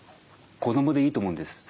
子どもでいいと思うんです。